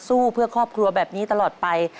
สู้เพื่อครอบครัวแบบนี้ตลอดไป